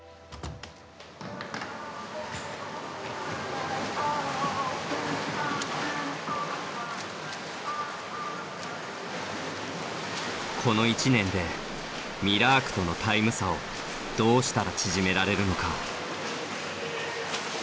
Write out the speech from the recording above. やっぱり自分がこの１年でミラークとのタイム差をどうしたら縮められるのか。